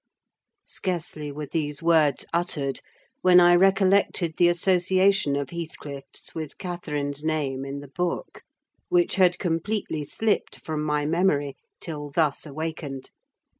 Scarcely were these words uttered when I recollected the association of Heathcliff's with Catherine's name in the book, which had completely slipped from my memory, till thus awakened.